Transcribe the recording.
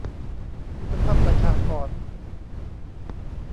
คุณภาพประชากร